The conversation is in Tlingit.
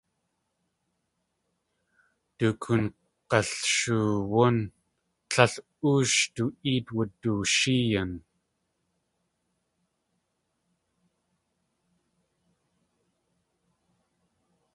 Sh koong̲alshoowún tlél óosh du éet wudushéeyin.